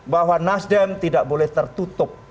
bahwa nasdem tidak boleh tertutup